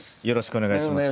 お願いします。